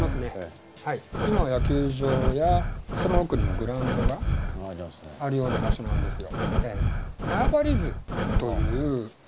今は野球場やその奥にもグラウンドがあるような場所なんですよ。